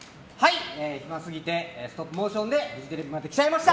暇すぎてストップモーションでフジテレビまで来ちゃいました。